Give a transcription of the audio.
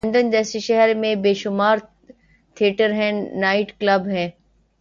London جیسے شہرمیں بیشمار تھیٹر ہیں‘نائٹ کلب ہیں۔